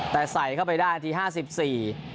แต่ใส่เข้าไปได้ที่๕๔